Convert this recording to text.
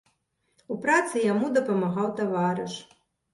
У працы яму дапамагаў таварыш.